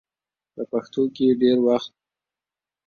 په پښتو کې ډېر وخت